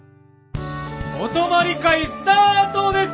お泊まり会スタートです！